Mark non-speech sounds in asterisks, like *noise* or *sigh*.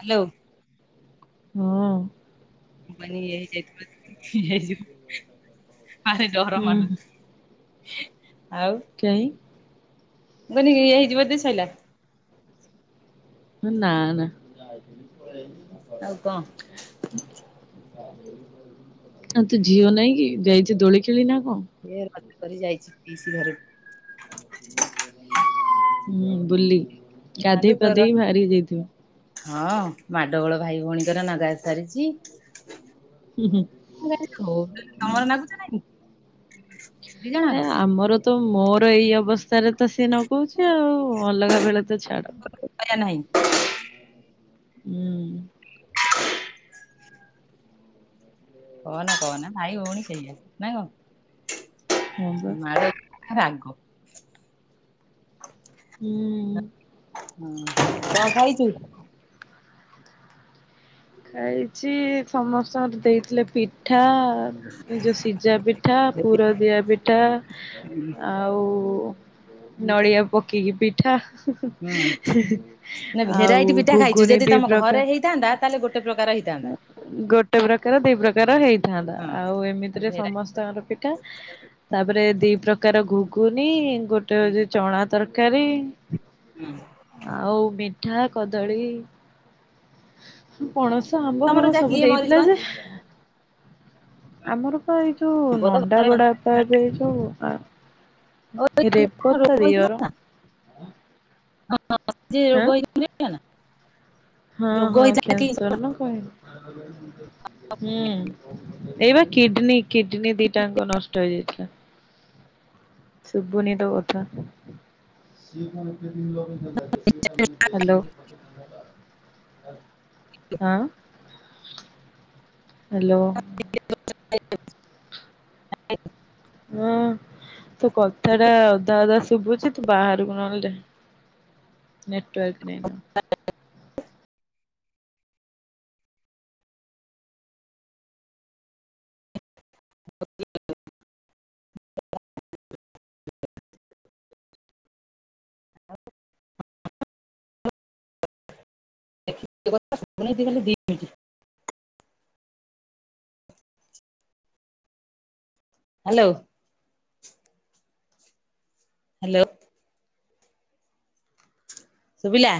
Hello. ହଁ। ମୁ କହିଲି *unintelligible* ହେଇଯିବ ଆରେ ଡର ହୁଁ ମାଡୁଛି। ଆଉ। କାଇଁ। ମୁଁ କହିଲି ଏଇଆ ହେଇଯିବ ବଧେ ସଇଲା। ନା ନା। ଆଉ କଣ? *unintelligible* ଆଉ ତୋ ଝିଅ ନାଇଁ କି ଯାଇଛି ଦୋଳି ଖେଳି ନା କଣ? *unintelligible* କରି ଯାଇଛି ପିସି ଘରକୁ। ହୁଁ ବୁଲି ଚାନ୍ଦୁ ଗାଧେଇ ତୋର ପାଧେଇ ବାହାରିକି ଯାଇଥିବ। ହଁ ମାଡଗୋଳ ଭାଇ ଭଉଣୀଙ୍କର ନଗା ସାରିଛି। ହୁଁ ହୁଁ। ମୁ କହିଲି ହଉଥିଲେ ତମର ନାଗୁଛ ନାଇଁ କି। ନାଇ ଆମର ତ ମୋର ଏଇ ଅବସ୍ଥାରେ ତ ସିଏ ନଗଉଛି ଆଉ ଅଲଗା ବେଳ ତ ଛାଡ। ପଇସା ନାହିଁ। ହୁଁ। କହନା କହନା ଭାଇ ଭଉଣୀ ସେଇଆ ନା ହଁ ବା କଣ ମାଡ ରାଗ। ହୁଁ। ହଁ କଣ ଖାଇଛୁ? ଖାଇଛି ସମସ୍ତଙ୍କର ଦେଇଥିଲେ ପିଠା ଏ ଯଉ ସିଝା ପି ଠା ପୁରଦିଆ ପିଠା। ଆଉ ନଡ଼ିଆ ପକେଇକି ପିଠା। ହୁଁ ନା ଆଉ ଗୁଗୁନି ଦି ପ୍ରକାର। ଥାନ୍ତା ତାହେଲେ ଗୋଟେ ପ୍ରକାର ହେଁ ଗୋଟେ ପ୍ରକାର ଦି ପ୍ରକାର ହେଇଥାନ୍ତା ହଁ ଆଉ ଆଉ ଏମିତିରେ ଭେରାଇଟି ସମସ୍ତଙ୍କର କି ଟା ତାପରେ ଦି ପ୍ରକାର ଗୁଗୁନି ଗୋଟେ ହୋଉଛି ଚଣା ତରକାରୀ। ହୁଁ। ଆଉ ମିଠା, କଦଳୀ। ପଣସ ଆମ୍ବ ତମର ଫାମ୍ବ ଯା ସବୁ କିଏ ମରିଛି ଦେଇଥିଲା କହନି ଯେ ଆମର ପା ଏଇ ଯୋଉ ପୁଅ ତ ନଣ୍ଡା ଘରେ ବଡାପା ଏବେ ଏଇ ଯୋଉ ଆ ରୋଗ ରେବତା ରିଅର। ହଁ। ହଁ *unintelligible* ହଁ ହଁ କ୍ୟାନସର ନ ହୁଁ ଏଇ ବା କିଡନୀ କିଡନୀ ଦିଟାଅଙ୍ଗ ନଷ୍ଟ ହେଇଯାଇଥିଲା। ଶୁଭୁନି ତୋ କଥା। ହ୍ୟାଲୋ। ହଁ। ହ୍ୟାଲୋ। *inaudible* ହଁ ତୋ କଥା ଟା ଅଧା ଅଧା ଶୁବୁଛି ତୁ ବାହାରକୁ ନହେଲେ ଦେ ନେଟୱାର୍କ ନାଇ ନା *inaudible* *inaudible* ଆ *inaudible* *unintelligible* ହ୍ୟାଲୋ। ହ୍ୟାଲୋ। ଶୁଭିଲା?